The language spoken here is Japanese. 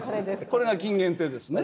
これが金原亭ですね。